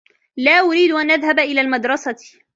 لا أريد أن أذهب إلى المدرسة.